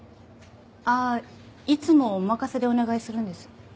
ああいつもお任せでお願いするんです。